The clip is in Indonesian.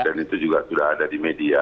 dan itu juga sudah ada di media